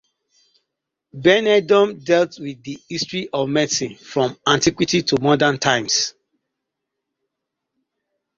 Benedum dealt with the history of medicine from antiquity to modern times.